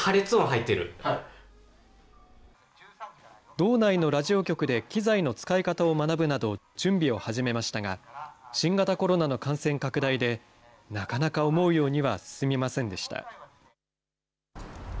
道内のラジオ局で機材の使い方を学ぶなど準備を始めましたが、新型コロナの感染拡大で、なかなか思うようには進みませんでした。